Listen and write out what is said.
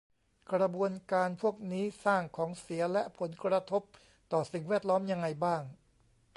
กระบวนการพวกนี้สร้างของเสียและผลกระทบต่อสิ่งแวดล้อมยังไงบ้าง